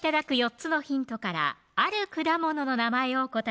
つのヒントからある果物の名前をお答えください